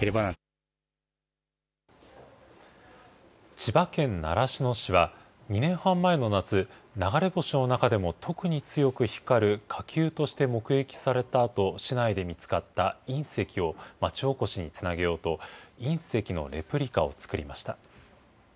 千葉県習志野市は、２年半前の夏、流れ星の中でも特に強く光る火球として目撃されたあと、市内で見つかった隕石を町おこしにつなげようと、隕石のレプリカを作りました。